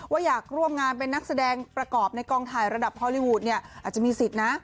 ว่าอยากร่วมงานเป็นนักแสดงประกอบในกองถ่ายระดับฮอลลีวูดเนี่ยอาจจะมีสิทธิ์นะ